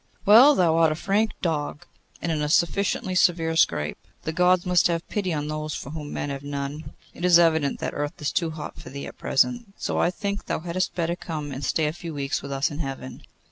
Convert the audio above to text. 'Well, thou art a frank dog, and in a sufficiently severe scrape. The Gods must have pity on those for whom men have none. It is evident that Earth is too hot for thee at present, so I think thou hadst better come and stay a few weeks with us in Heaven.